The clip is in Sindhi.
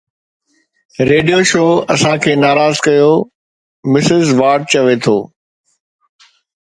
ريڊيو شو اسان کي ناراض ڪيو، مسز وارڊ چوي ٿو